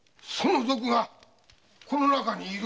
その賊がこの中に！？